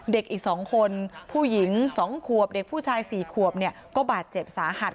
เด็กอีก๒คนผู้หญิง๒ขวบเด็กผู้ชาย๔ขวบเนี่ยก็บาดเจ็บสาหัส